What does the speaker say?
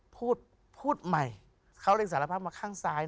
พูดพูดใหม่เขาเลยสารภาพมาข้างซ้าย